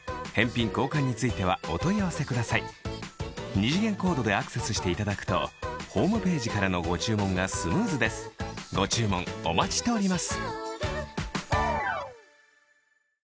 二次元コードでアクセスしていただくとホームページからのご注文がスムーズですご注文お待ちしております